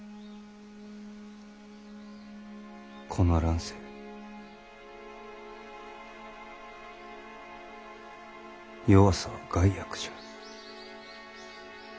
この乱世弱さは害悪じゃ。